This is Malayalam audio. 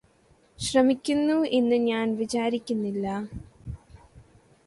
ശ്രമിക്കുന്നു എന്ന് ഞാന് വിചാരിക്കുന്നില്ല